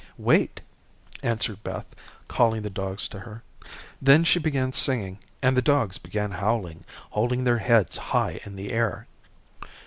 "Wait," answered Beth, calling the dogs to her. Then she began singing and the dogs began howling, holding their heads high in the air.